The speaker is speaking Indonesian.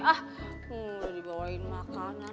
ah udah dibawain makanan